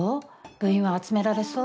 部員は集められそう？